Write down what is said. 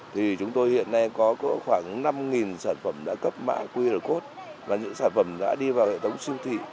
thì chúng tôi hiện nay có khoảng năm sản phẩm đã cấp mã qr code và những sản phẩm đã đi vào hệ thống siêu thị